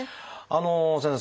先生。